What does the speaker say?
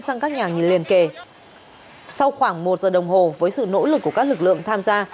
sang các nhà nghỉ liền kề sau khoảng một giờ đồng hồ với sự nỗ lực của các lực lượng tham gia